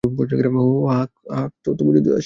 হাক তো, কেউ যদি আসে।